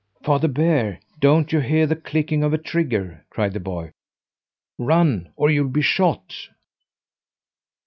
"Father Bear! Don't you hear the clicking of a trigger?" cried the boy. "Run, or you'll be shot!"